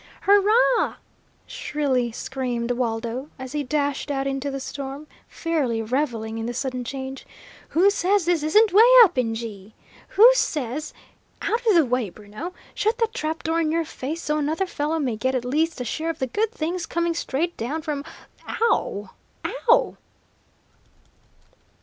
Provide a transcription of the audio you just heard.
"Hurrah!" shrilly screamed Waldo, as he dashed out into the storm, fairly revelling in the sudden change. "Who says this isn't 'way up in G?' Who says out of the way, Bruno! Shut that trap door in your face, so another fellow may get at least a share of the good things coming straight down from ow wow!"